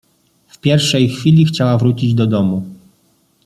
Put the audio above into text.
W pierwszej chwili chciała wrócić do domu.